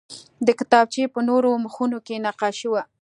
د کتابچې په نورو مخونو کې نقاشي وه